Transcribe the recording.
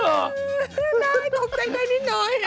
นางตกใจได้นิดหน่อย